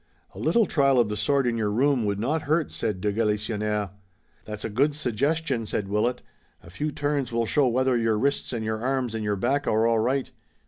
"A little trial of the sword in your room would not hurt," said de Galisonnière. "That's a good suggestion," said Willet. "A few turns will show whether your wrists and your arms and your back are all right.